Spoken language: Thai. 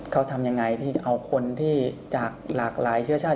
เขาทำยังไงที่เอาคนที่จากหลากหลายเชื้อชาติ